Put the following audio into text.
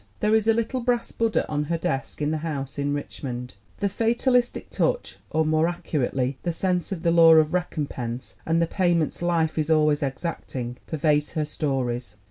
There is a little brass Buddha on her desk in the house in Richmond. The fatalistic touch, or more accurately, the sense of the law of recompense and the payments life is always exacting, pervades her stories.